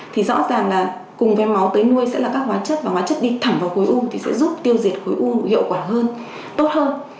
thì rõ ràng là cùng với máu tưới nuôi sẽ là các hóa chất và hóa chất đi thẳng vào khối u thì sẽ giúp tiêu diệt khối u hiệu quả hơn tốt hơn